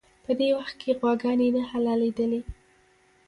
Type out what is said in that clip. په دې وخت کې غواګانې نه حلالېدلې.